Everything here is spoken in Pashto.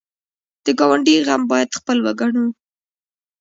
د ګاونډي غم باید خپل وګڼو